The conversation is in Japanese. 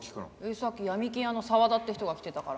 さっき闇金屋の澤田って人が来てたから。